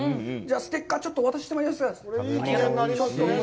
ステッカーちょっとお渡ししてもいいですか？